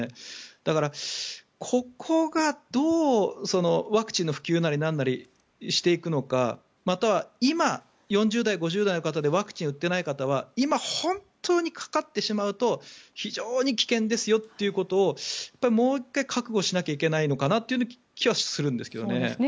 だから、ここがどうワクチンの普及なりなんなりしていくのかまたは今４０代、５０代の方でワクチンを打ってない方は今、本当にかかってしまうと非常に危険ですよということをもう１回覚悟しなきゃいけないのかなという気はするんですけどね。